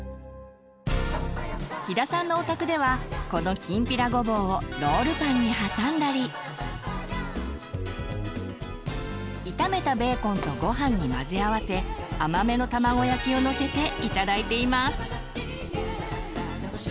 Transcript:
飛田さんのお宅ではこのきんぴらごぼうをロールパンにはさんだり炒めたベーコンとご飯に混ぜ合わせ甘めの卵焼きをのせて頂いています。